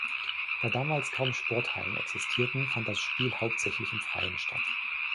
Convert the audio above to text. Da damals kaum Sporthallen existierten, fand das Spiel hauptsächlich im Freien statt.